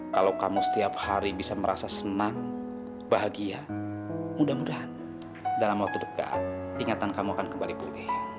kalau kamu setiap hari bisa merasa senang bahagia mudah mudahan dalam waktu dekat ingatan kamu akan kembali pulih